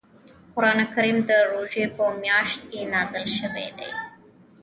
قران کریم د روژې په میاشت کې نازل شوی دی .